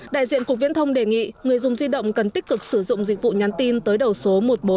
đại diện cục viễn thông đề nghị người dùng di động cần tích cực sử dụng dịch vụ nhắn tin tới đầu số một nghìn bốn trăm bốn